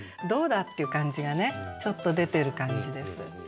「どうだ！」っていう感じがねちょっと出てる感じです。